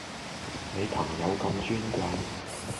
你朋友咁尊貴